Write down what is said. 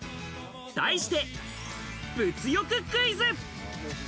題して、物欲クイズ！